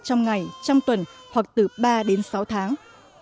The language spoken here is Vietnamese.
trong ngày trong tuần hoặc từ ba sáu tháng